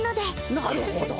なるほど。